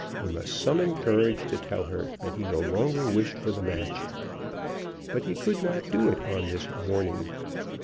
He must summon courage to tell her that he no longer wished for the match; but he could not do it on this morning.